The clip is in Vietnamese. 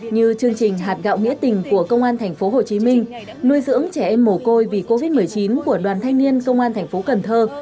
như chương trình hạt gạo nghĩa tình của công an thành phố hồ chí minh nuôi dưỡng trẻ em mồ côi vì covid một mươi chín của đoàn thanh niên công an thành phố cần thơ